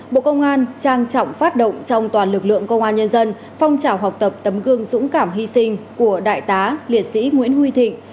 bộ công an trang trọng phát động trong toàn lực lượng công an nhân dân phong trào học tập tấm gương dũng cảm hy sinh của đại tá liệt sĩ nguyễn huy thịnh